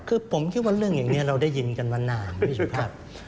คือผมคิดว่าเรื่องอย่างนี้เราได้ยินกันมานานพี่สุภาพ